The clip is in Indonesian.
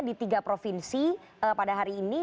di tiga provinsi pada hari ini